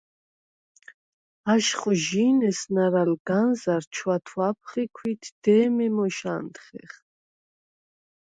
აშხვჟი̄ნ ესნა̈რ ალ განზა̈რ ჩვათვა̈ფხ ი ქვით დე̄მე მოშ ა̈ნთხეხ.